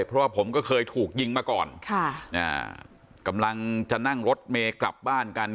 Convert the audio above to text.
เพราะว่าผมก็เคยถูกยิงมาก่อนค่ะอ่ากำลังจะนั่งรถเมย์กลับบ้านกัน